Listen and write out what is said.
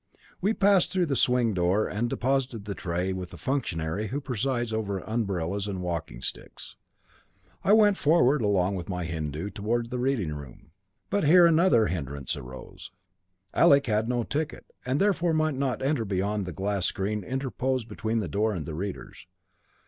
We passed through the swing door and deposited the tray with the functionary who presides over umbrellas and walking sticks. Then I went forward along with my Hindu towards the reading room. But here another hindrance arose. Alec had no ticket, and therefore might not enter beyond the glass screen interposed between the door and the readers.